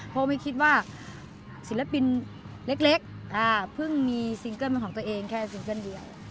เพราะไม่คิดว่าศิลปินเล็กเพิ่งมีซิงเกิ้ลเป็นของตัวเองแค่ซิงเกิ้ลเดียว